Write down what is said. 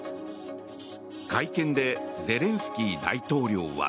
会見でゼレンスキー大統領は。